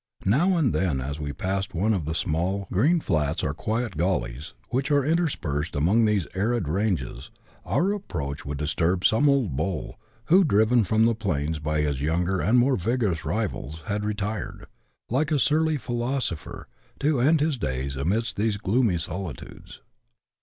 Now and then, as we jHusseil one of the small grt>en tlats or (|uiet gullies which are interspersed among tlu^se arid rangt>s, our approach would disturb some old bull, who, driven from the plains by his younger and more vigx)rous rivals, had retiretl, like a surly philosoplier, to end his days amidst these gloomy solitutk^s.